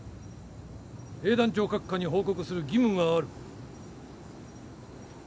兵団長閣下に報告する義務がある。